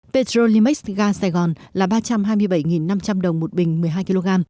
petro limax ga saigon là ba trăm hai mươi bảy năm trăm linh đồng một bình một mươi hai kg